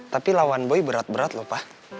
tapi lawan boy berat berat loh pa